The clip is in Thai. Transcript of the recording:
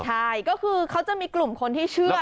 ใช่ก็คือเขาจะมีกลุ่มคนที่เชื่อ